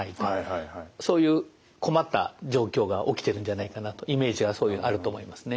そういう困った状況が起きてるんじゃないかなとイメージはあると思いますね。